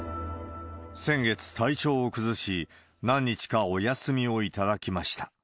先月、体調を崩し、何日かお休みをいただきました。